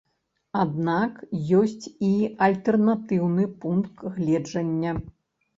Аднак ёсць і альтэрнатыўны пункт гледжання.